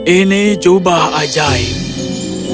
ini jubah ajaib